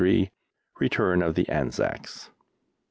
RETURN OF THE ANZACS.